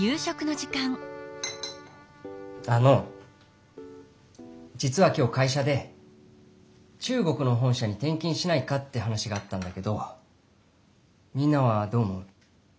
あのじつは今日会社で中国の本社にてんきんしないかって話があったんだけどみんなはどう思う？